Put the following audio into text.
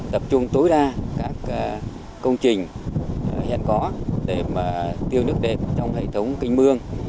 tập trung tối đa các công trình hiện có để tiêu nước đẹp trong hệ thống kinh mương